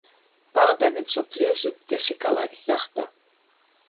ბაღდადი მსოფლიოს უდიდესი ქალაქი გახდა.